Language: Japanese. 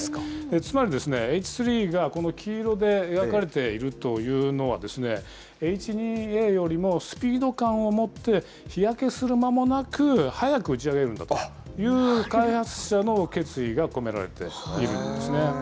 つまり、Ｈ３がこの黄色で描かれているというのはですね、Ｈ２Ａよりもスピード感をもって、日焼けする間もなく早く打ち上げるんだという開発者の決意が込められているんですね。